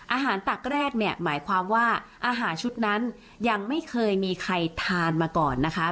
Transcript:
ตักแรกเนี่ยหมายความว่าอาหารชุดนั้นยังไม่เคยมีใครทานมาก่อนนะคะ